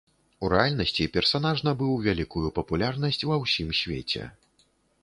У рэальнасці персанаж набыў вялікую папулярнасць ва ўсім свеце.